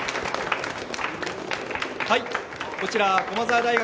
こちら駒澤大学